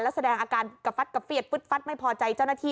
และแสดงอาการกระฟัดกระเฟียดฟึดฟัดไม่พอใจเจ้าหน้าที่